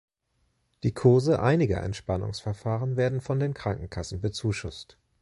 Die Kurse einiger Entspannungsverfahren werden von den Krankenkassen bezuschusst.